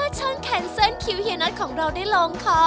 ช่วงแขนเส้นคิวเฮียนอทของเราได้ลงคอ